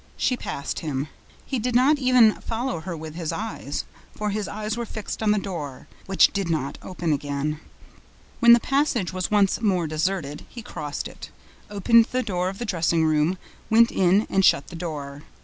She passed him. He did not even follow her with his eyes, for his eyes were fixed on the door, which did not open again. When the passage was once more deserted, he crossed it, opened the door of the dressing room, went in and shut the door.